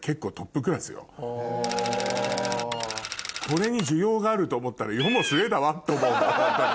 これに需要があると思ったら世も末だわって思うもん